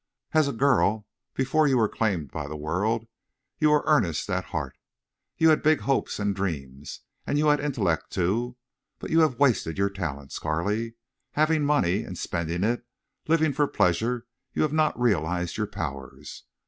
"As a girl, before you were claimed by the world, you were earnest at heart. You had big hopes and dreams. And you had intellect, too. But you have wasted your talents, Carley. Having money, and spending it, living for pleasure, you have not realized your powers....